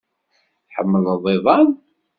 Tḥemmleḍ iḍan?